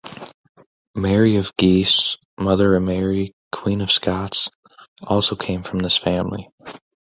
Mary of Guise, mother of Mary, Queen of Scots, also came from this family.